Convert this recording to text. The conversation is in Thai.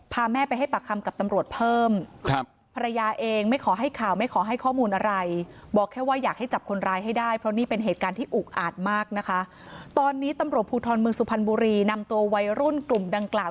พาแม่ไปให้ปากคำกับตำบรวจเพิ่มครับภรรยาเองไม่ขอให้ข่าว